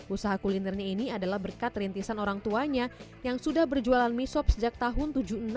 usaha kulinernya ini adalah berkat rintisan orang tuanya yang sudah berjualan mie sop sejak tahun seribu tujuh ratus enam puluh